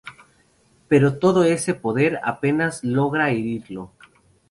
Pero todo ese poder apenas logra herirlo.